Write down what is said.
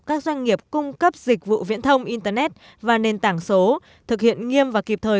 các doanh nghiệp cung cấp dịch vụ viễn thông internet và nền tảng số thực hiện nghiêm và kịp thời